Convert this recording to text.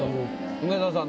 梅沢さん